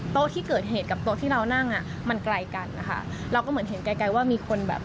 โต๊ะที่เกิดเหตุกับโต๊ะที่เรานั่งอ่ะมันไกลกันนะคะเราก็เหมือนเห็นไกลไกลว่ามีคนแบบ